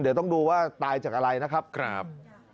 เดี๋ยวต้องดูว่าตายจากอะไรนะครับ